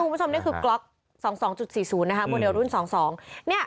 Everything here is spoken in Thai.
คุณผู้ชมนี่คือกล็อก๒๒๔๐บนเดียวรุ่น๒๒